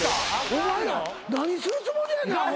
お前ら何するつもりやねんアホ。